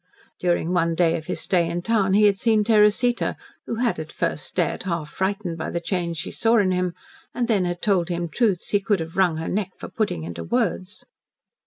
During one day of his stay in town he had seen Teresita, who had at first stared half frightened by the change she saw in him, and then had told him truths he could have wrung her neck for putting into words.